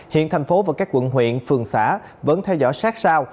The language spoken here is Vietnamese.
hiện thành phố và các quận huyện phường xã vẫn theo dõi sát sao